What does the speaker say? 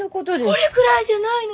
これぐらいじゃないの！